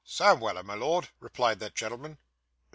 'Sam Weller, my Lord,' replied that gentleman.